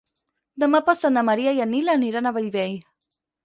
Demà passat na Maria i en Nil aniran a Bellvei.